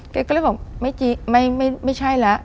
แกก็เลยบอกไม่ใช่แล้ว